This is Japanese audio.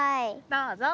どうぞ。